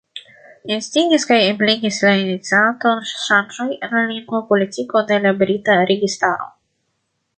Instigis kaj ebligis la iniciaton ŝanĝoj en la lingvo-politiko de la brita registaro.